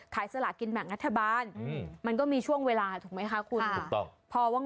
สลากินแบ่งรัฐบาลมันก็มีช่วงเวลาถูกไหมคะคุณถูกต้อง